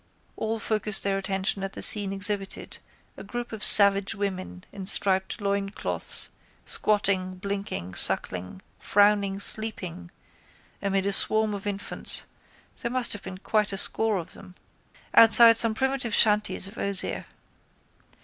_ All focussed their attention at the scene exhibited, a group of savage women in striped loincloths, squatted, blinking, suckling, frowning, sleeping amid a swarm of infants (there must have been quite a score of them) outside some primitive shanties of osier.